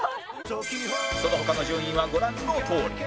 その他の順位はご覧のとおり